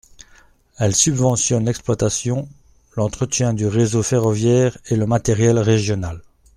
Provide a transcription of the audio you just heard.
Elles subventionnent l’exploitation, l’entretien du réseau ferroviaire et le matériel régional.